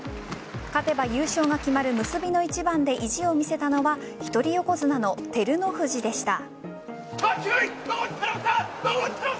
勝てば優勝が決まる結びの一番で意地を見せたのは一人横綱の照ノ富士でした。